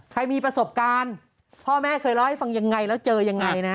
ใครมีประสบการณ์พ่อแม่เคยเล่าให้ฟังยังไงแล้วเจอยังไงนะ